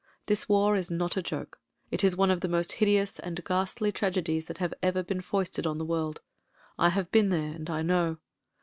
This war is not a joke; it is one of the most hideous and ghastly tragedies that have ever been foisted on the world; I have been there and I know.